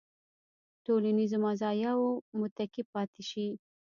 ټولنیزو مزایاوو متکي پاتې شي.